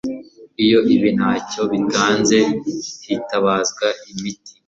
Iyo ibi ntacyo bitanze hitabazwa imiti